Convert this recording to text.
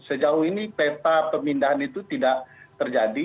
sejauh ini peta pemindahan itu tidak terjadi